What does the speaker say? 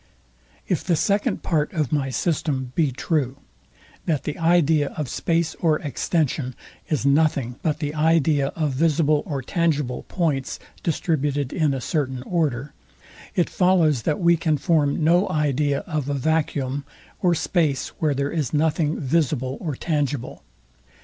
If the second part of my system be true, that the idea of space or extension is nothing but the idea of visible or tangible points distributed in a certain order; it follows, that we can form no idea of a vacuum, or space, where there is nothing visible or tangible.